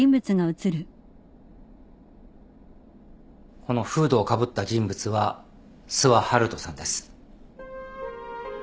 このフードをかぶった人物は諏訪遙人さんです。